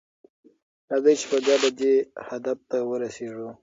راځئ چې په ګډه دې هدف ته ورسیږو.